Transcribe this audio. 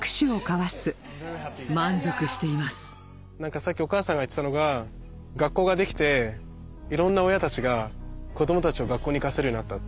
さっきお母さんが言ってたのが学校ができていろんな親たちが子供たちを学校に行かせるようになった。